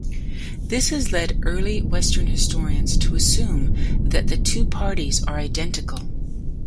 This has led early Western historians to assume that the two parties are identical.